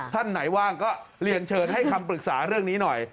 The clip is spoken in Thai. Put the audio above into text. ท่านไหนว่างก็เรียนเชิญให้คำปรึกษาเรื่องนี้หน่อย